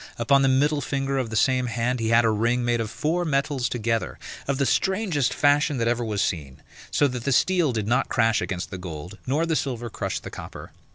Upon the middle finger of the same hand he had a ring made of four metals together, of the strangest fashion that ever was seen; so that the steel did not crash against the gold, nor the silver crush the copper.